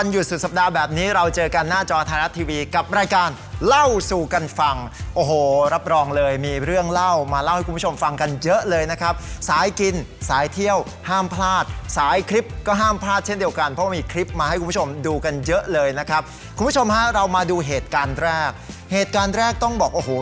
อย่าลืมเล่าสู่กันฟัง